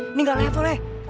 ini nggak level ya